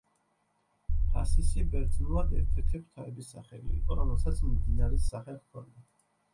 ფასისი ბერძნულად ერთ-ერთი ღვთაების სახელი იყო, რომელსაც მდინარის სახე ჰქონდა.